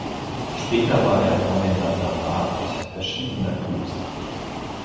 Später war er Kommendatarabt verschiedener Klöster.